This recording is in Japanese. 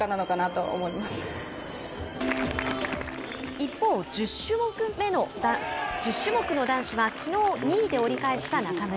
一方、１０種目の男子はきのう２位で折り返した中村。